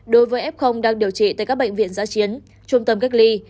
đối với f đang điều trị tại các bệnh viện giá chiến trung tâm cách ly